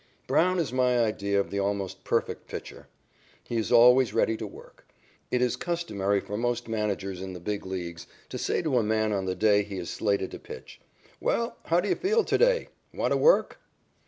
Brown is my idea of the almost perfect pitcher He is always ready to work. It is customary for most managers in the Big Leagues to say to a man on the day he is slated to pitch: "Well, how do you feel to day? Want to work?"